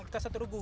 kita satu regu